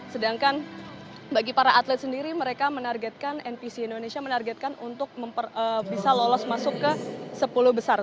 sedangkan bagi para atlet sendiri mereka menargetkan npc indonesia menargetkan untuk bisa lolos masuk ke sepuluh besar